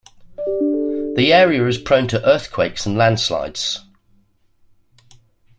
The area is prone to earthquakes and landslides.